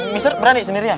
mister berani sendiri ya